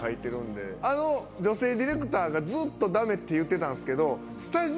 あの女性ディレクターがずっと「ダメ」って言ってたんですけど。